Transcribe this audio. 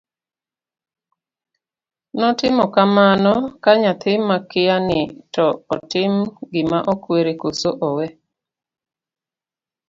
notimo kamano ka nyathi makia ni to otim gima okwere koso owe